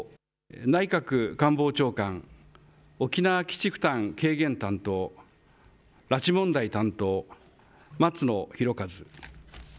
内閣官房長官、沖縄基地負担軽減担当、拉致問題担当、松野博一。